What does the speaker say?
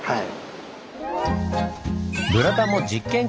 はい。